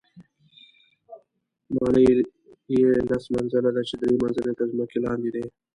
ماڼۍ یې لس منزله ده چې درې منزله یې تر ځمکې لاندې دي.